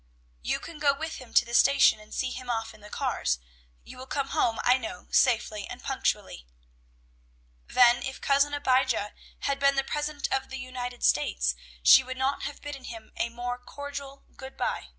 "You can go with him to the station, and see him off in the cars. You will come home, I know, safely and punctually." Then, if Cousin Abijah had been the President of the United States she would not have bidden him a more cordial "good by."